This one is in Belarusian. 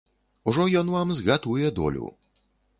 Ужо ён вам згатуе долю!